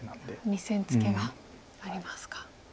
２線ツケがありますか。